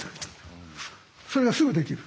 それがすぐできる。